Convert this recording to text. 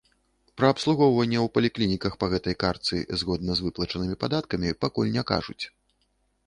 Пра абслугоўванне ў паліклініках па гэтай картцы згодна з выплачанымі падаткамі пакуль не кажуць.